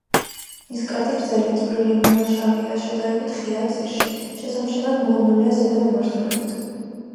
ნისკარტი გრძელი, წვრილი, მურა-შავია, შედარებით ღიაა ძირში; შესამჩნევად მოღუნულია ზედა მიმართულებით.